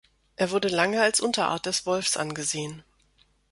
Er wurde lange als Unterart des Wolfs angesehen.